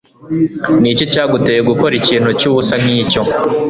Niki cyaguteye gukora ikintu cyubusa nkicyo?